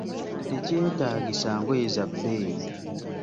Tekyetaagisa ngoye za bbeeyi.